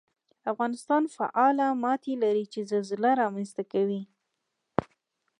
افغانستان فعاله ماتې لري چې زلزلې رامنځته کوي